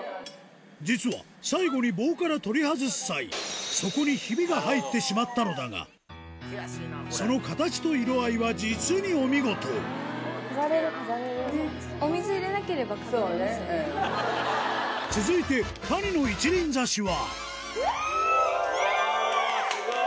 実は最後に棒から取り外す際底にヒビが入ってしまったのだがその形と色合いは実にお見事続いておぉスゴい！